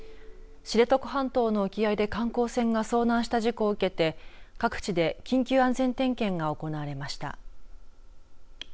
知床半島の沖合で観光船が遭難した事故を受けて各地で緊急安全点検が行われました。